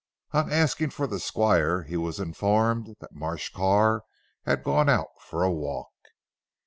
On asking for the Squire he was informed that Marsh Carr had gone out for a walk.